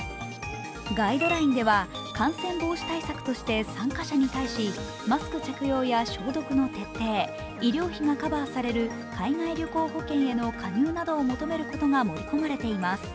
ガイドラインでは感染防止対策として参加者に対しマスク着用や消毒の徹底、医療費がカバーされる海外旅行保険への加入などを求めることが盛り込まれています。